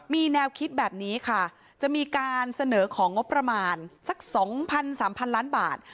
มีแนวคิดแบบนี้ค่ะจะมีการเสนอของงบประมาณสัก๒๐๐๓๐๐ล้านบาท